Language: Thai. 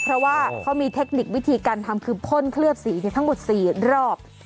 เพราะว่าเขามีเทคนิควิธีการทำคือพ่นเคลือบสีทั้งหมด๔รอบ